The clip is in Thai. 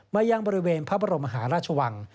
ยังบริเวณพระบรมหาราชวัง